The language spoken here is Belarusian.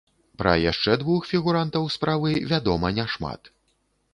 Пра яшчэ двух фігурантаў справы вядома няшмат.